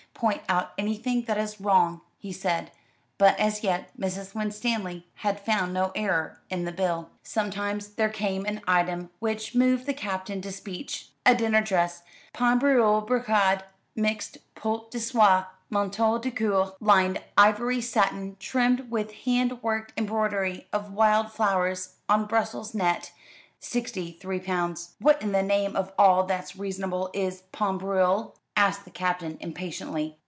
"Point out anything that is wrong," he said; but as yet Mrs. Winstanley had found no error in the bill. Sometimes there came an item which moved the Captain to speech. "A dinner dress, pain brûlé brocade, mixed poult de soie, manteau de cour, lined ivory satin, trimmed with hand worked embroidery of wild flowers on Brussels net, sixty three pounds." "What in the name of all that's reasonable is pain brûlé?" asked the Captain impatiently.